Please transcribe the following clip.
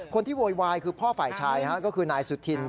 โวยวายคือพ่อฝ่ายชายก็คือนายสุธิน